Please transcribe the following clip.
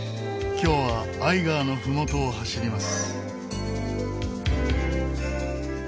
今日はアイガーの麓を走ります。